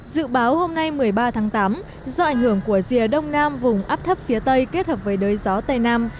dự báo hôm nay một mươi ba tháng tám do ảnh hưởng của rìa đông nam vùng áp thấp phía tây kết hợp với đới gió tây nam